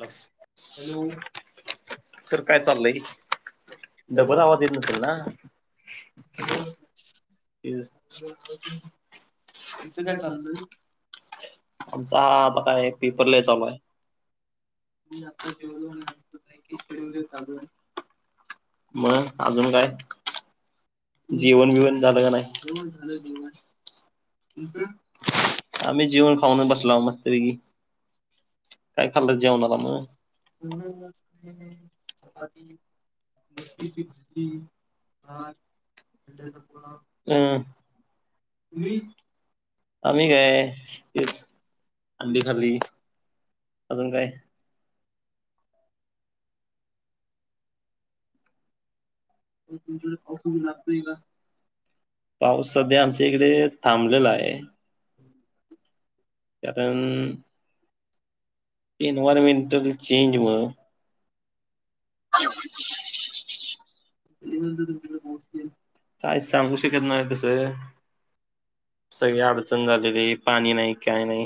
Hello hello. Sir काय चाललंय? Double आवाज येत नसल ना? नम [unintelligible] आमचा आता काय पेपर लिहाय चालू आहे. [inaudible] मग अजून काय? जीवन विवण झालं का नाही? आम्ही जीवन खाऊन बसलो मस्तपैकी. काय खाल्लं जेवणाला मग मक्कीची तती हार. उद्या सपवणार फक्त आम्ही काय ते अंडी खाली. अजून काय? तुमच्याकडे पाऊस वैगरे लागतंय का? पाऊस सध्या आमच्या इकडे थांबलेला आहे. कारण एनवयरमेंटल चें हिरवं. [unintelligible] काय सांगू शकत नाही तस सगळी अडचण झालेली पाणी नाही काय नाही.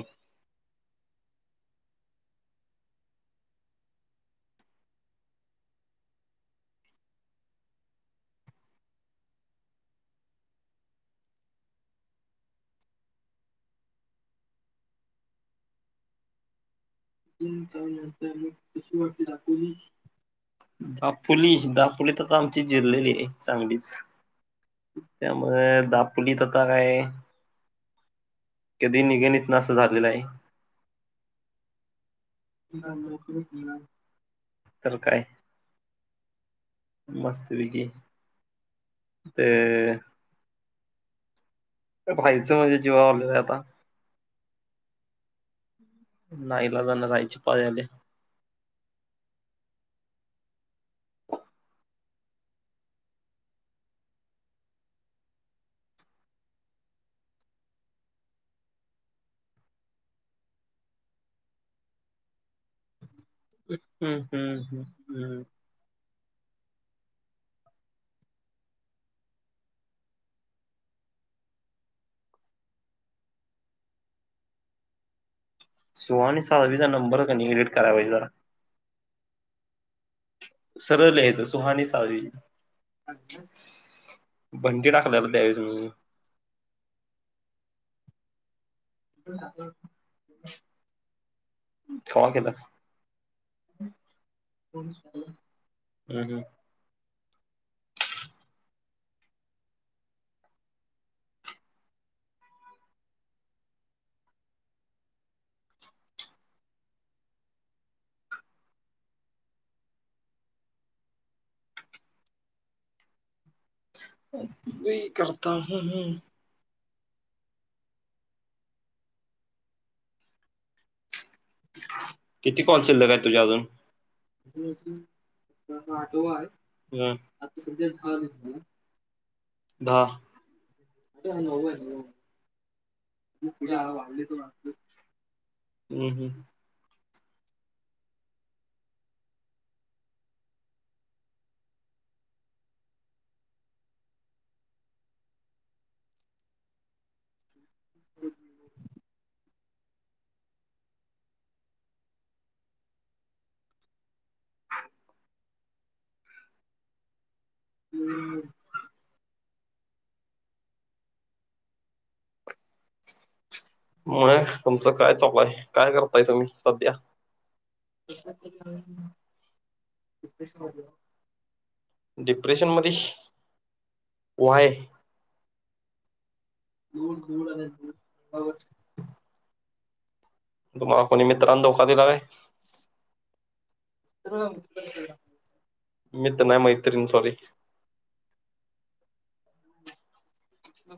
मग तशी वाटली दापोली? दापोली दापोली तर आमची जिरलेली आहे. चांगलीच त्यामुळे दापोलीत आता काय कधी निगणीत अस झालेला आहे. तर काय? मस्त विजी ते भाईचं म्हणजे जीवावलेलं आहे आता. नाईलाजाने राहायची पाळी आल्या. हम्म हम्म हम्म हम्म. सुहाणी साळवीचा नंबर कनी इडिट कराय पाहिजे जरा. सरळ लिहायचं सुहानी साळवी. बंटी टाकलेल त्यावेळेस मी. कवा केलास? हम् हम्. करता ह. किती कॉल सिल्लक आहे तुझ्या अजून आ हा आठवा आहे आता सध्या घला दहा. मग पुढे आ वावले त हम् हम्. [unintelligible] ह. हम्म. मग तुमचं काय चल आहे काय करताय तुम्ही सध्या [unintelligible] े डिप्रेशन मध्ये व्हाय. दूर दूर आणि दूरत तुम्हाला कोणी मित्रांन धोका दिला आहे. मी तर नाही मैत्रीण सॉरी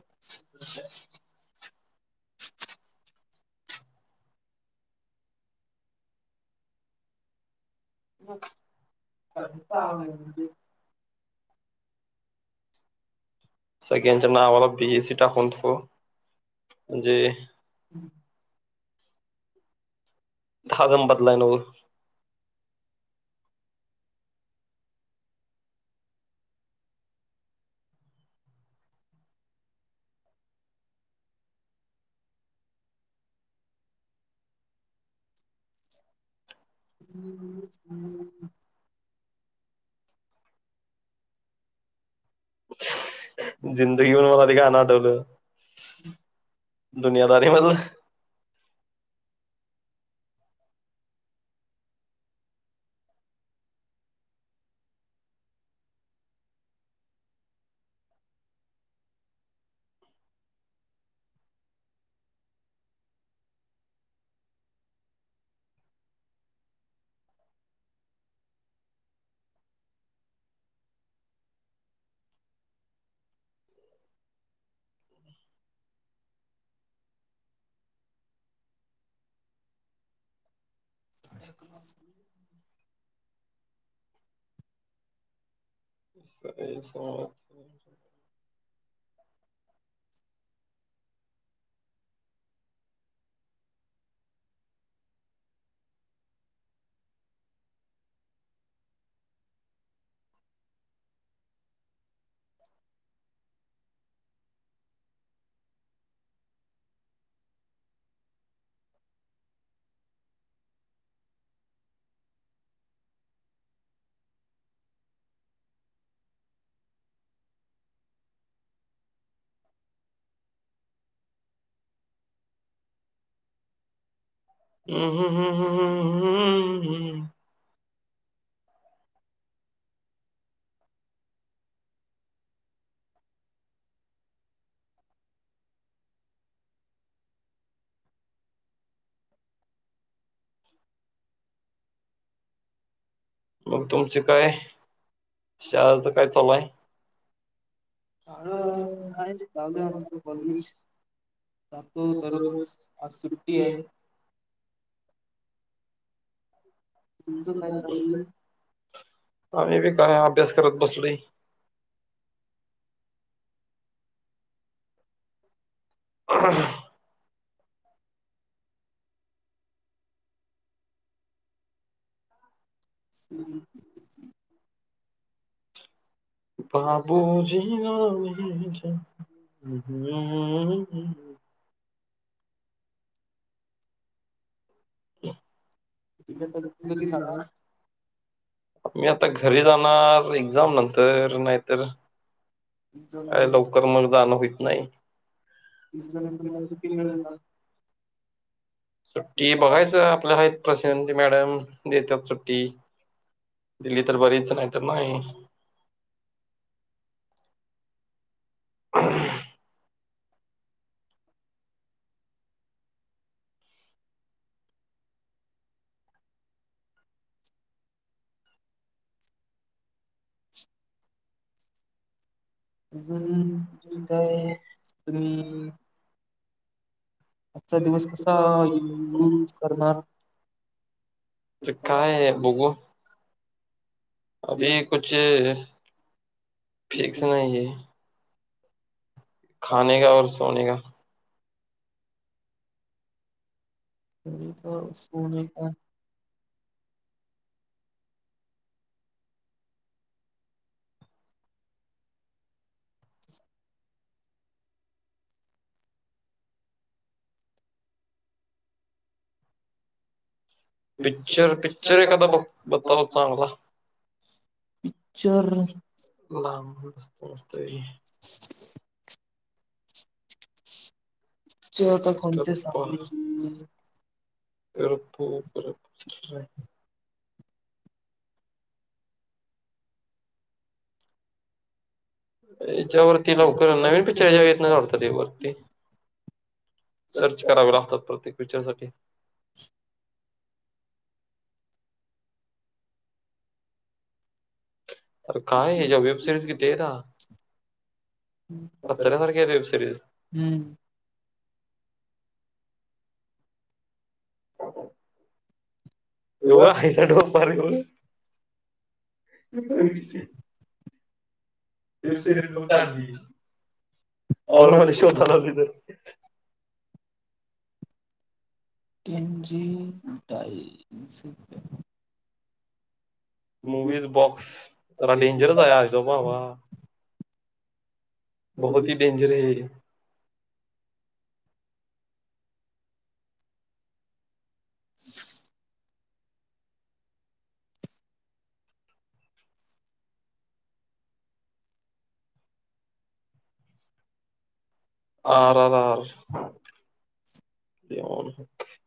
[unintelligible] कता म्ह सगळ्यांच्या नावाला बी ए सीटा होतफो जी फॉरम भरलाय न्हव? [unintelligible] जिंदगी वर न मला ते गाणं आठवलं दुनियादारी मधलं. काय सांगलास? सकाळी हम्म हम्म हम्म हम्म हम्म हम्म हम्म्म हम्म. मग तुमच काय शाळाच काय चालू हाय? नाही चाललोय आत जातो दररोज आज सुट्टी आहे. आम्ही बी काय अभ्यास करत बसलोय. [unintelligible] [unintelligible] बाबूजी जरा धीरे हम्म हम्म हम्म हम्म हम्म हम्म. तुम्ही आता कधी जाणार? मी आता घरी जाणार एक्झाम नंतर नाहीतर काय लवकर मग जाणं होईत नाही. एकदम तुम्हाला सुट्टी मिळाली का? सुट्टी बघायचं आपल्या हाय प्रसन्ना मॅडम देतात सुट्टी. दिली तर बरीच नाही तर नाही. [unintelligible] अजून अजून काय तुम्ही? आजचा दिवस कसा यूज करणार? तर काय बघूवा. अभी कुछ फिक्स नाही हे. खानेका और सोनेका खानेका और सोनेका. पिक्चर पिक्चर एखादा बघ बताव चांगला. मला मस्त मस्त पैकी कप करळप करप व्हय. याच्यावरती लवकर नवीन पिक्चर हेच्यावर येत नाहीत वाटत रे वरती. सर्च कराव लागतात प्रत्येक पिक्चर साठी. अरे काय हेच्या वेब सिरीज किती आहेता. कचऱ्यासारखी आहेत वेब सिरीज. ह्यो वय आईचा ढोपर ह्यो. [unintelligible] वेब सिरीज म का नाही ऑलमध्ये शोधा लागलोय तर. इंजिन ताई. मूवीज बॉक्स जरा डेंजरस आहे आयश्या भावा. बहुतही डेंजर है. [inaudible] R R R all okay.